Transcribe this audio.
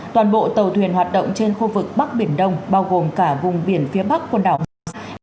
toàn bộ tàu thuyền hoạt động trên khu vực bắc biển đông bao gồm cả vùng biển phía bắc quần đảo hoàng sa